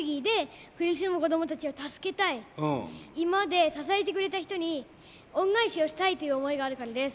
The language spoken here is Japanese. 今まで支えてくれた人に恩返しをしたいという思いがあるからです。